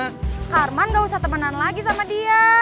pak arman gak usah temenan lagi sama dia